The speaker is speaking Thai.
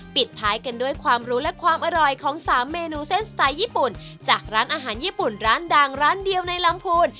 ปิดท้ายกันด้วยความรู้และความอร่อยของ๓เมนูเส้นสไตล์ญี่ปุ่นจากร้านอาหารญี่ปุ่นร้านดังร้านเดียวในลำพูน